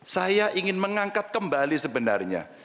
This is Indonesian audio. saya ingin mengangkat kembali sebenarnya